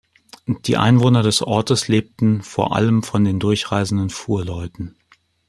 Die Einwohner des Ortes lebten vor allem von den durchreisenden Fuhrleuten.